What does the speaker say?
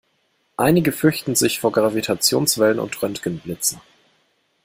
Einige fürchten sich vor Gravitationswellen und Röntgenblitzen.